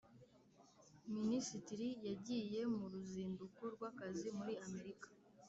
Minisitiri yagiye muruzinduko rw’akazi muri amerika